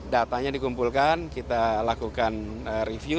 datanya dikumpulkan kita lakukan review